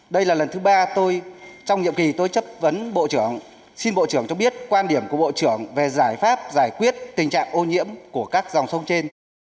đây là lần thứ ba tôi trong nhiệm kỳ tôi chất vấn bộ trưởng xin bộ trưởng cho biết quan điểm của bộ trưởng về giải pháp giải quyết tình trạng ô nhiễm của các dòng sông trên